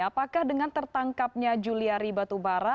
apakah dengan tertangkapnya julia ribatubara